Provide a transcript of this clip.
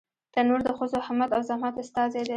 تنور د ښځو همت او زحمت استازی دی